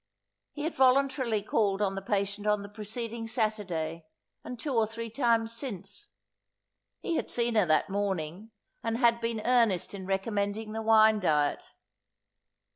He had voluntarily called on the patient on the preceding Saturday, and two or three times since. He had seen her that morning, and had been earnest in recommending the wine diet.